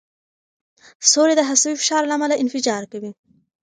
ستوري د هستوي فشار له امله انفجار کوي.